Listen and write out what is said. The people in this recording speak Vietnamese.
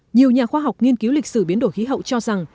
nhiều nhà khoa học nghiên cứu lịch sử biến đổi khí hậu cho rằng